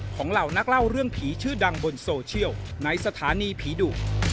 เหล่านักเล่าเรื่องผีชื่อดังบนโซเชียลในสถานีผีดุ